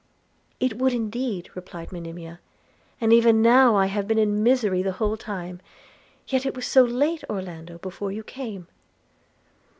'It would indeed,' replied Monimia, 'and even now I have been in misery the whole time – Yet it was so late, Orlando, before you came!'